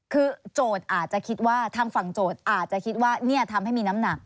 คือพางโจทย์อาจจะคิดว่านี่ทำให้มีน้ำหนัก